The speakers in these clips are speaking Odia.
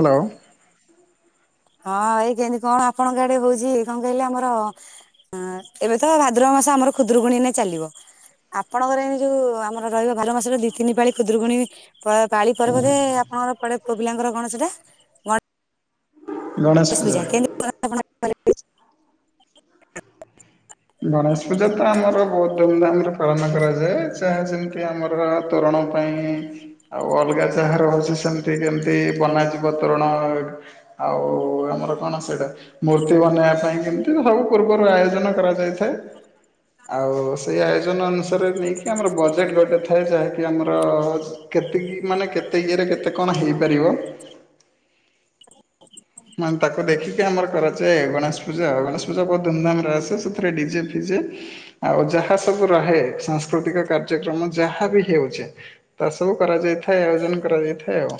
ହ୍ୟାଲୋ। ହଁ ଏଇ କେମିତି କଣ ଆପଣଙ୍କ ଆଡେ ହଉଛି କଣ କହିଲେ ଆମର ହଁ ଏବେ ତ ଭାଦ୍ରବ ମାସ ଆମର ଖୁଦରୁକୁୁଣୀ ଏଇନା ଚାଲିବ। ଆପଣଙ୍କର ଏମି ଯୋଉ ଆମର ରହିବ ଭାଲ୍ସ ମାସରେ ଦି ତିନି ପାଳି ଖୁଦ୍ରରୁକୁଣୀ। ପାଳି ପର୍ବତ ଆପଣଙ୍କର ପଡ ପୁଅ ପିଲାଙ୍କର କଣ ସେ ଟା ଗଣେଶ ପୂଜା। ଗଣେଶ ପୂଜା ତ ଆମର ବହୁତ ଧୁମଧାମ ରେ ପାଳନ କରାଯାଏ ଯାହା ଯେମିତି ଆମର ତୋରଣ ପାଇଁ ଆଉ ଅଲଗା ଯାହା ରଉଛି ସେମିତି କେମିତି ବନାଜିବ ତୋରଣ ଆଉ ଆମର କଣ ସେଇଟା ମୂର୍ତ୍ତି ବନେଇବା ପାଇଁ କେମିତି ସବୁ ପୂର୍ବରୁ ଆୟୋଜନ କରାଯ ଇଥାଏ ଆଉ ସେଇ ଆୟୋଜନ ଅନୁସାରେ ନେଇକି ଆମର ବଜେଟ୍ ଗୋଟେ ଥାଏ ଯାହାକି ଆମର କେତେକି ମାନେ କେତେ ଇଏରେ କେତେ କଣ ହେଇପାରିବ। ମାନେ ତାକୁ ଦେଖିକି ଆମର କରାଯାଏ ଗଣେଶ ପୂଜା ଗଣେଶ ପୂଜା ବହୁତ ଧୁମଧାମରେ ଆସେ ସେଥିରେ ଡିଜେ ଫିଜେ। ଆଉ ଯାହା ସବୁ ରହେ ସାଂସ୍କୃତିକ କାର୍ଯ୍ୟକ୍ରମ ଯାହା ବି ହେଉଛେ ତା ସବୁ କରାଯାଇଥାଏ ଆୟୋଜନ କରାଯାଇଥାଏ ଆଉ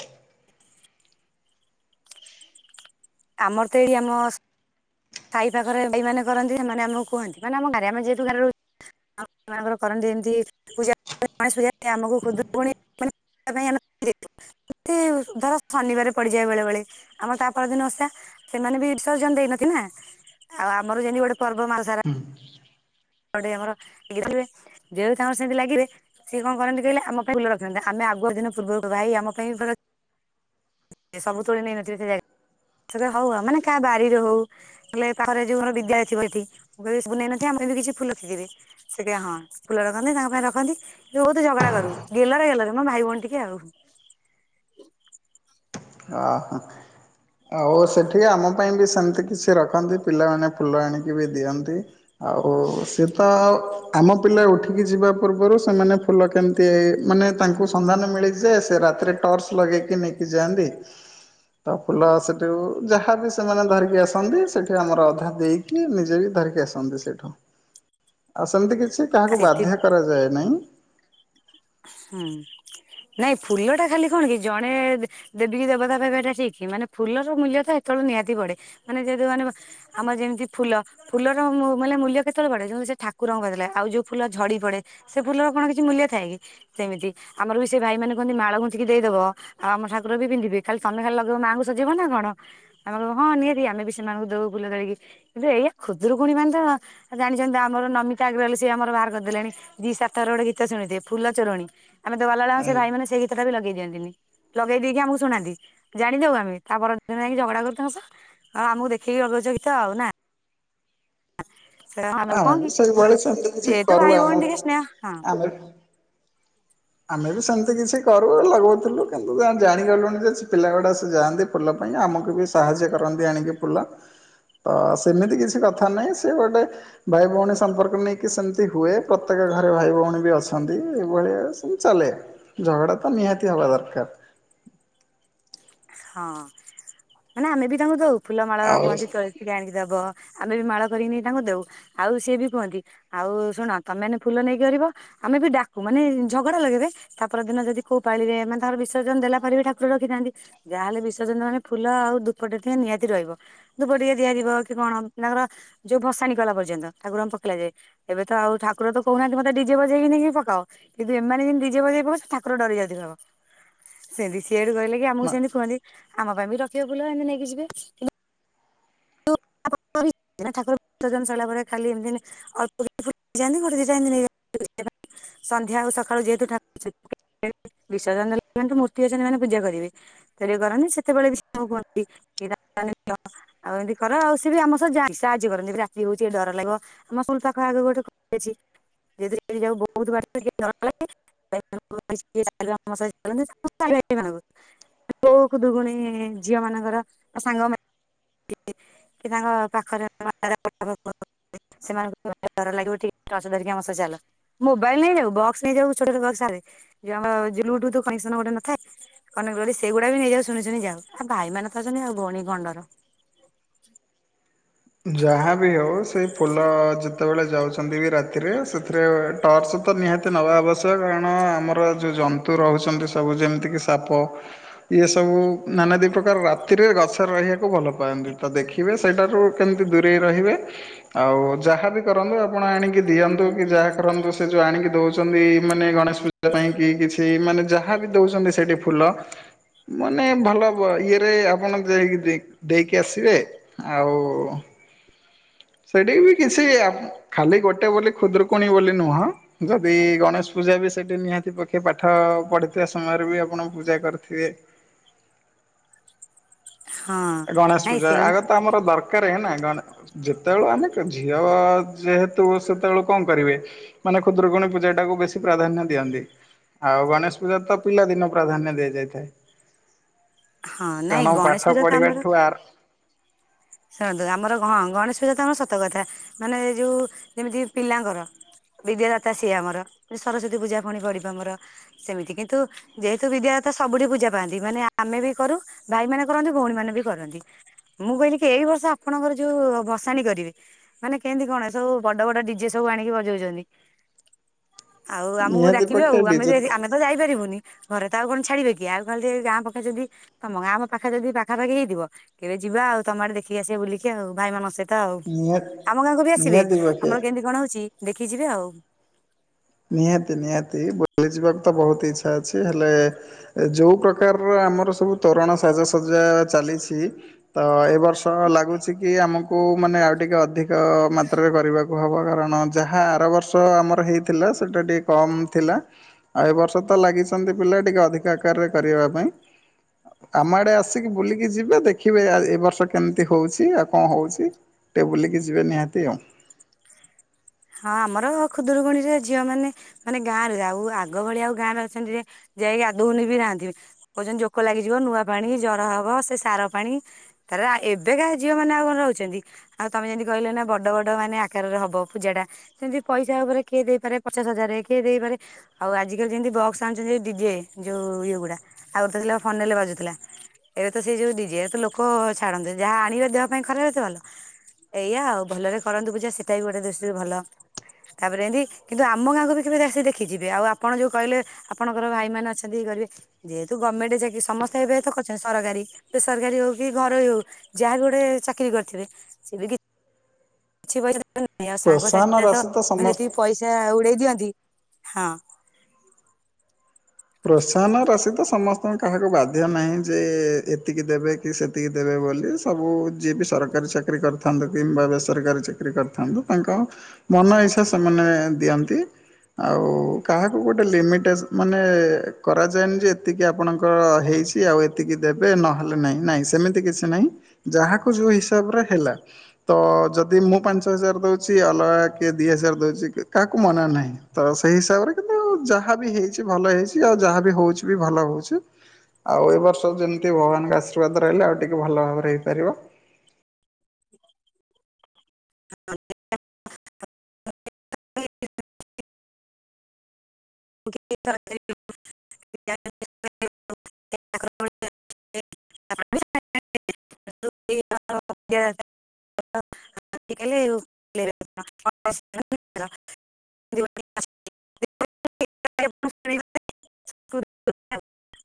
ଆମର ତ ଏଇ ଆମସ୍ ସାଇ ପାଖରେ ଭାଇମାନୋନ କରନ୍ତି ସେମାନେ ଆମକୁ କୁହନ୍ତି ମାନେ ଆମ ଘରେେ ଯେହେତୁାରେ [unintelligible] କରନ୍ତି ଏମିତି ପୂାଜା ଗଣ ପୂଜା ଆମକୁ ଖୁୁଦୁକୁଣି ମାନେ ଏ [unintelligible] ଏତେ ଧର ଶନିବାର ପଡିଯାଏ ବେଳେ ବେଳେ ଆମର ତାପର ଦିନ ଓଷା ସେମାନେ ବିସହଜଣ ଦେଇନାନ୍ତି ନା ଆଉ ଆମର ଯେମିତି ଗୋଟେ ହୁଁ। ଏପଟେ ଆମର ଦେଖିବେ ଦେହ ତ ଆମର ସେମିତି ଲାଗିବେ ସିଏ କଣ କରନ୍ତି କହିଲ ଆମ ପାଇଁ ଭଲ ରଖନ୍ତି ଆମେ ଆଗୁ ଦିନ ପୂର୍ବରୁ ଭାଇ ଆମ ପାଇଁ ସବୁ ତୋଳେ ନେଇନଥିବେ ସେ ଜାଗା ହଉ ମାନେ କାହା ବାହାରିରେ ହଉ ହେଲେ ତାରେ ଯୋଉର ବିଦ୍ୟାଳ ଥିବ ଏଠି ମୁ କହିବି ସବୁ ନେଇନଥିବେ ଆମ ପାଇଁ କିଛି ଫୁଲଥୋଇଥିବେ। ସେଟା ହଁ ଫୁଲ ରଖନ୍ତି ତାଙ୍କ ପାଇଁ ରଖନ୍ତି। ବହୁତଝଗଡା କରୁ ଗେଲରେ ଗଲରେ ମୋ ଭାଇ ଭଉଣୀ ଟିକେ ଆଉ ଓ ହ। ଆଉ ସେଠିକି ଆମ ପାଇଁ ବି ସେମିତି କିଛି ରଖନ୍ତି ପିଲାମାନେ ଫୁଲ ଆଣିକି ବି ଦିଅନ୍ତି। ଆଉ ସେ ତ ଆମ ପିଲା ଉଠିକି ଯିବା ପୂର୍ବରୁ ସେମାନେ ଫୁଲ କେମିତି ମାନେ ତାଙ୍କୁ ସନ୍ଧାନ ମିଳିଛି ଯେ ସେ ରାତିରେ ଟର୍ଚ ଲଗେଇକି ନେଇକି ଯାଆନ୍ତି। ତା ଫୁଲ ସେଠୁ ଯାହାବି ସେମାନେ ଧରିକି ଆସନ୍ତି ସେଠି ଆମର ଅଧା ଦେଇକି କିଏ ନିଜେ ବି ଧରିକି ଆସନ୍ତି ସେଇଠୁ ଆଉ ସେମିତି କିଛି କାହାକୁ ସେଥିପାଇଁ ବାଧ୍ୟ କରାଯାଏ ନାହିଁ। ହୁଁ ନାଇଁ ଫୁଲ ଟା ଖାଲି କଣ କି ଜଣେ ଦେବୀ ଦେବତା ପାଇବା ଏଟା ଠିକ୍ ମାନେ ଫୁଲର ମୂଲ୍ୟ ତ ସେତେଳଳେ ନିହାତି ପଡେ ମାନେ ଯେହେତୁ ମାନେ ଆମ ଯେମିତି ଫୁଲ। ଫୁଲର ମାନେ ମୂଲ୍ୟ କେତେବେଳେ ପଡେ ଯୋ ସେ ଠାକୁରଙ୍କୁ କତିଲେ। ଆଉ ଯଉ ଫୁଲ ଝଡି ପଡେ ସେ ଫୁଲର କଣ କିଛି ମୂଲ୍ୟ ଥାଏ କି? ସେମିତି ଆମର ବି ସେ ଭାଇ ମାନେ କୁହନ୍ତି ମାଳ ଗୁଞ୍ଚିକି ଦେଇଦବ। ଆଉ ଆମ ଠାର ବି ପିନ୍ଧିବେ। ଖାଲି ତମେ ଖାଲି ଲଗେଇିବ ମାଁ ଙ୍କୁ ସଜେଇବନା କଣ? ଆମକଇମୁ ହଁ, ନିହାତି ଆମେ ବି ସେମାନଙ୍କୁ ଦଉ ଫୁଲ ତୋଳିକି। କିନ୍ତୁ ଏଇଆ ଖୁଦରୁକୁଣି ମାନେ ତ ଆଉ ଜାଣିଛନ୍ତି ଆମର ନମିତା ଅଗ୍ରୱାଲ ସେ ଆମର ବାହାର କରିଦେଲେଣି। ଜି ସାର୍ଥକ ରେ ଗୋଟେ ଗୀତ ଶୁଣିଥିବେ ଫୁଲ ଚୋରଣୀ। ଆମେ ତ ଗଲାବେଳେ ସେ ଭାଇମାନେ ସେଇ ସେଟା ବି ଲଗେଇ ଦିଅନ୍ତିନି। ଲଗେଇ ଦେଇକି ଆମକୁ ଶୁଣନ୍ତି। ଜାଣି ଦଉ ଆମେ। ତା ପରଦିନ ଯାଇକି ଝଗଡା କରୁ ତାଙ୍କ ସହ। ଆଉ ଆମକୁ ଦେଖିକି ଲଗେଇଚ ଗୀତ ଆଉ ନା? ସେ ଆମେ କଣ କି ବି ସେଇଭଳି ସେମିତି କିଛି ଯେହେତୁ କରୁ ଭାଇ ଭଉଣୀ ଆମ। ଟିକେ ସ୍ନେହ ହଁ। ଆମେ ବି ଆମେ ବି ସେମିତି କିଛି କରୁ ଲଗାଉଥିଲୁ କିନ୍ତୁ ଜାଣିଗଲୁଣି ଯେ ପିଲା ଗୁଡା ସେ ଯାଆନ୍ତି। ଫୁଲ ପାଇଁ ଆମକୁ ବି ସାହାଯ୍ୟ କରନ୍ତି ଆଣିକି ଫୁଲ। ତ ସେମିତି କିଛି କଥା ନାହିଁ। ସେ ଗୋଟେ ଭାଇ ଭଉଣୀ ସମ୍ପର୍କ ନେଇକି ସେମିତି ହୁଏ। ପ୍ରତ୍ୟେକ ଘରେ ଭାଇ ଭଉଣୀ ବି ଅଛନ୍ତି। ଏଇଭଳିଆ ଉଁ ଚାଲେ ଝଗଡ଼ା ତ ନିହାତି ହବା ଦରକାର। ହଁ ମାନେ ଆମେ ବି ତାଙ୍କୁ ଦଉ ଫୁଲମାଳ ଆଉ କୁହନ୍ତି ତୋଳି କି ଆଣିକି ଦବ, ଆମେ ବି ମାଳ କରିକିନେଇ ତାଙ୍କୁ ଦଉ ଆଉ ସିଏ ବି କୁହନ୍ତି। ଆଉ ଶୁଣ ତମେ ନେ ଫୁଲ ନେଇ କରିବ ଆମେ ବି ଡାକୁ ମାନେ ଝଗଡା ଲାଗୁନେ ତାପର ଦିନ ଯଦି କୋଉ ପାଳଳିରେ ମାନେ ତାଙ୍କର ବିସର୍ଜନ ଦେଲା ପରେ ବି ଠାକୁର ରଖିଥାନ୍ତି। ଯାହେଲେ ବିସର୍ଜନ ମାନେ ଫୁଲ ଆଉ ଦୂପଟ ଥି ନିହାତି ରହିବ। ଧୁପ ଟିକେ ଦିଆଯିବ କି କଣ ତାଙ୍କର ଯୋଉ ଭସାଣି କଲା ପର୍ଯ୍ୟନ୍ତ ଠାକୁର ଙ୍କୁ ପକିଲା ଯାଏ। ଏବେ ତ ଆଉ ଠାକୁର ତ କହୁନାହାନ୍ତି ମତେ ଡିଜେ ବଜେଇକି ନେଇକି ପକାଅ। କିତୁ ଏମାନେ ଯିନ୍ ବିଜେ ବଜେଇ ପହୁସ୍ ସେ ଠାକୁର ଡରି ଯାଇଥିବ। ସେ ବି ସିଆଡୁ କହିଲେ କି ଆମକୁ ମା ସେମିତି କୁହନ୍ତି ଆମ ପାଇଁ ବି ରଖିଏ ଫୁଲ ଆନନେନେଇକି ଯିବେ କିନ [unintelligible] ଠାକୁର ସର୍ଜନ ପରେ କାଲି ଏମତି ଅଳ୍ପ [unintelligible] ଯାଆନ୍ତି [unintelligible] ସନ୍ଧ୍ୟା ଆଉ ସକାଳୁ ଯେହେତୁ ଠାକୁ [unintelligible] ବିସଜନ ନିଅନ୍ତୁ ମୂର୍ତ୍ତି ଅଛନ୍ତି ମାନେ ପୂଜା କରିବେ। ରେ କରନ୍ତି ସେତେବେଳ ବି ସ [unintelligible] ଆଉ ଏମିତି କର ଆଉ ସେ ବି ଆମ ସହ ଜା କି ସା ସାହାଯ୍ୟ କରନ୍ତି ରାତି ହଉଛି ଡର ଲାଗିବ। ଆମ ସୁଲ ପାଖ ଆଗ ଗୋଟେ [unintelligible] ଲେ ଅଛି ଯେ ଦି ଯାଉ ବହୁତ ବାଟ ଟିକେ ଡ ର ଲାଗେ। [unintelligible] [unintelligible] ଖୁଦୁକୁଣି ଝିଅ ମାନଙ୍କର ଆ ସାଙ୍ଗ ମା କି ତାଙ୍କ ପାଖ [unintelligible] ସେମାନଙ୍କୁ [unintelligible] ଲାଗିବ ଟିକେ [unintelligible] ଧିରିକି ଆମ ସହ ଚାଲ। ମୋବାଇଲ ନେଇଯାଉ ବକ୍ସ ନେଇଯାଉ ଛୋଟ ଛ ବକ୍ସ ଆରେ ଜ ମ ଜ ବୁ ଟୁଥ କୋନେକ୍ସନ ଗୋଟେ ନଥାଏ କନଗଳୀ ସେଗୁଡା ବି ନେଇଯାଉ ଶୁଣି ଶୁଣି ଯାଉ ଆଉ ଭାଇମାନେ ତ ଅଛନ୍ତି ଆଉ ଭଉଣୀକି କଣ ଡର? ଯାହା ବି ହେଉ ସେଇ ଫୁଲ ଯେତେବେଳେ ଯାଉଛନ୍ତି ବି ରାତିରେ ସେଥିରେ ଟର୍ଚ ତ ନିହାତି ନବା ଆବଶ୍ୟକ, କାରଣ ଆମର ଯଉଁ ଜନ୍ତୁ ରହୁଛନ୍ତି ସବୁ ଯେମିତିକି ସାପ। ଇଏ ସବୁ ନାନା ଦି ପ୍ରକାର ରାତିରେ ଗଛରେ ରହିବାକୁ ଭଲ ପାଆନ୍ତି ଦେଖିବେ ସେଇଠାରୁ କେମିତି ଦୂରେଇ ରହିବେ? ଆଉ ଯାହାବି କରନ୍ତୁ ଆପଣ ଆଣିକି ଦିଅନ୍ତୁ କି ଯାହା କରନ୍ତୁ ସେ ଯଉ ଆଣିକି ଦଉଛନ୍ତି ମାନେ ଗଣେଶ ପୂଜା ଜା ପାଇଁ କି କିଛି ମାନେ ଯାହା ବି ଦଉଛନ୍ତି ସେଠି ଫୁଲ। ମାନେ ଭଲ ବ ଇଏରେ ଆପଣ ଯାଇକି ଦେଇ ଦେଇକି ଆସିବେ ଆଉ ସେଇଠି ବି କିଛି ଆପ ଖାଲି ଗୋଟେ ବୋଲି ଖୁଦୁରୁକୁଣୀ ବୋଲି ନୁହଁ। ଯଦି ଗଣେଶ ପୂଜା ବି ସେଇଠି ନିହାତି ପକ୍ଷେ ପାଠ ପଢ଼ିଥିବା ସମୟରେ ବି ଆପଣ ପୂଜା କରିଥିବେ। ହଁ ଗଣେଶ ନାଇଁ ପୂଜା ସେମି ଆଗ ତ ଆମର ଦରକାର ହେ ନା ଗଣ୍ ଯେତେବେଳୁ ଆମେ ଝିଅ ଯେହେତୁ ସେତେବେଳୁ କଣ କରିବେ? ମାନେ ଖୁଦୁରୁକୁଣୀ ପୂଜା ଟାକୁ ବେଶୀ ପ୍ରାଧାନ୍ୟ ଦିଅନ୍ତି। ଆଉ ଗଣେଶ ପୂଜା ତ ପିଲାଦିନ ପ୍ରାଧାନ୍ୟ ଦଆଯାଇଥାଏ। ହଁ ନାଇଁ ପାଠ ଗଣେଶ ପୂଜା ତ ଆମର ପଢିବାଠୁ ଆର ଶୁଣନ୍ତୁ ଆମର ଗ ହଁ ଗଣେଶ ପୂଜା ତ ଆମର ସତ କଥା ମାନେ ଯୋଉ ଯେମିତି ପିଲାଙ୍କର ବିଦ୍ୟାଦାତା ସିଏ ଆମର ସରସ୍ଵତୀ ପୂଜା ପଣି ପଡିବ ଆମର। ସେମିତି କିନ୍ତୁ ଯେହେତୁ ବିଦ୍ୟାଦାତା ସବୁଠି ପୂଜା ପାଆନ୍ତି ମାନେ ଆମେ ବି କରୁ ଭାଇ ମାନେ କରନ୍ତି ଭଉଣୀ ମାନେ ବି କରନ୍ତି। ମୁଁ କହିଲି କି ଏଇ ବର୍ଷ ଆପଣଙ୍କର ଯୋଉ ବସାଣି କରିବେ। ମାନେ କେମିତି କଣ ଏସବୁ ବଡ ବଡ ଡିଜେ ସବୁ ଆଣିକି ବଜଉଚନ୍ତି। ଆଉ ଆମକୁ ନିହାତି ଡାକିବେ ପକ୍ଷେ ଆଉ ଆମେ ଡିଜେ ଯାଇତି ଆମେ ତ ଯାଇପାରିବୁନି ଘରେ ତ ଆଉ କଣ ଛାଡିବେ କି ଆଉ ଖାଲ୍ ତି ଗାଁ ପକେଇଛନ୍ତି ତମ ଗାଁ ଆମ ପାଖ ଯଦି ପାଖାପାଖି ହେଇଥିବ କେବେ ଯିବା ଆଉ ତମ ଆଡେ ଦେଖିକି ଆସିବା ବୁଲିକ ଆଉ ଭାଇ ମାନସ ତ ଆଉ ନିହାତି ଆମ ଗାଁକୁ ବି ଆସିବେ ନିହାତି ଆମର ପକ୍ଷେ କେମିତି କଣ ହଉଛି ଦେଖି ଯିବେ ଆଉ। ନିହାତି ନିହାତି ବୁଲିଯିବାକୁ ତ ବହୁତ ଇଚ୍ଛା ଅଛି ହେଲେ ଯଉଁ ପ୍ରକାରର ଆମର ସବୁ ତୋରଣ ସାଜସଜ୍ଜା ଚାଲିଛି। ତ ଏଇ ବର୍ଷ ଲାଗୁଛି କି ଆମକୁ ମାନେ ଆଉ ଟିକେ ଅଧିକ ଅ ମାତ୍ରାରେ କରିବାକୁ ହବ କାରଣ ଯାହା ଆର ବର୍ଷ ଆମର ହେଇ ଥିଲା ସେଟା ଟିକେ କମ୍ ଥିଲା। ଆଉ ଏ ବର୍ଷ ତ ଲାଗିଛନ୍ତି ପିଲା ଟିକେ ଅଧିକ ଆକାରରେ କରିବା ପାଇଁ। ଆମ ଆଡ଼େ ଆସିକି ବୁଲିକି ଯିବେ ଦେଖିବେ ଏ ବର୍ଷ କେମିତି ହଉଛି ଆଉ କଣ ହଉଛି। ଟିକେ ବୁଲିକି ଯିବେ ନିହାତି ଆଉ। ହଁ ଆମର ଖୁଦୁରୁକୁୁଣିରେ ଝିଅ ମାନେ ମାନେ ଗାଁରେ ଆଉ ଆଗ ଭଳିଆ ଆଉ ଗାଁରେ ଅଛନ୍ତି ଯେ ଯାଇକି ଗଧୋଇ ବି ନାହାନ୍ତି କହୁଛନ୍ତି ଜୋକ ଲାଗିଯିବ ନୂଆ ପାଣି ଜର ହବ ସେ ସାର ପାଣି ତାର ଏବେ କାହା ଝିଅ ମେନେ ଆଉ କଣ ରହୁଛନ୍ତି। ଆଉ ତମେ ଯେନ୍ତି କହିଲ ନା ବଡ ବଡ ମାନେ ଆକାରରେ ହବ ପୂଜା ଟା। ସେନ୍ତି ପଇସା ଉପରେ କିଏ ଦେଇପାରେ ପଚାଶ ହଜାରରେ କିଏ ଦେଇପାରେ ଆଉ ଆଜିକାଲି ଯେମିତି ବକ୍ସ ଆଣୁଛନ୍ତି ଡିଜେ ଯୋଉ ଇଏ ଗୁଡା ଆଉ [inaudible] ଫନଲେ ବାଜୁଥିଲା। ଏବେ ତ ସେଇ ଯୋଉ ଡିଜେ ତ ଲୋକ ଛାଡନ୍ତି ଯାହା ଆଣିବେ ଦେହ ପାଇଁ ଖରାପ ଏ ତ ଭଲ ଏଇଆ ଆଉ ଭଲରେ କରନ୍ତୁ ପୂଜା ସେଇଟା ବି ଗୋଟେ ଦୃଷ୍ଟିରୁ ଭଲ। ତାପରେ ଏମିତି କିନ୍ତୁ ଆମ ଗାଁକୁ ବି କେବେ ଆସିିକି ଦେଖିକି ଯିବେ ଆଉ ଆପଣ ଯୋଉ କହିଲେ। ଆପଣଙ୍କର ଭାଇମାନେ ଅଛନ୍ତି କରିବେ। ଯେହେତୁ ଗମେଣ୍ଟ ଯାଇକି ସମସ୍ତେ ଏବେ ତ କରିଛନ୍ତି ସରକାରୀ ବେସରକାରୀ ହଉ କି ଘରୋଇ ହଉ। ଯାହା ଗୋଟେ ଚାକିରି କରିଥିବେ ସେ ବି କିଛି ପଇସା ଦେବାର ନାହିଁ ପ୍ରୋତ୍ସାହନ ସାଙ୍ଗସାଥିରେ ତ ରାଶି ସମସ୍ତ ଯେତିକି ପଇସା ଉଡେଇ ଦିଅନ୍ତି ହଁ। ପ୍ରୋତ୍ସାହନ ରାଶି ତ ସମସ୍ତଙ୍କ କାହାକୁ ବାଧ୍ୟ ନାହିଁ ଯେ ଏତିକି ଦେବେ ସେତିକି ଦେବେ ବୋଲି ସବୁ ଯିଏ ବି ସରକାରୀ ଚାକିରି କରିଥାନ୍ତୁ କିମ୍ବା ବେସରକାରୀ ଚାକିରି କରିଥାନ୍ତୁ। ତାଙ୍କ ମନ ଇଛା ସେମାନେ ଦିଅନ୍ତି। ଆଉ କାହାକୁ ଗୋଟେ ଲିମିଟ ମାନେ କରାଯାଇନି ଯେ ଏତିକି ଆପଣଙ୍କ ହେଇଛି ଆଉ ଏତିକି ଦେବେ ନହେଲେ ନହିଁ ନାଇଁ ସେମିତି କିଛି ନାହିଁ ଯାହାକୁ ଯୋଉ ହିସାବରେ ହେଲା। ତ ଯଦି ମୁଁ ପାଞ୍ଚ ହଜାର ଦଉଛି ଅଲଗା କିଏ ଦି ହଜାର ଦଉଛି କାହାକୁ ମନା ନାହିଁ। ତ ସେଇ ହିସାବରେ କିନ୍ତୁ ଯାହା ବି ହେଇଛି ଭଲ ହେଇଛି ଆଉ ଯାହା ବି ହଉଛି ବି ଭଲ ହଉଛି। ଆଉ ଏ ବର୍ଷ ଯେମିତି ଭଗବାନଙ୍କ ଆଶ୍ରିବାଦ ରହିଲେ ଆଉ ଟିକେ ଭଲ ଭାବରେ ହେଇପାରିବ। [unintelligible] [inaudible] [inaudible] [unintelligible] ଆଜିକାଲି [inaudible] [inaudible]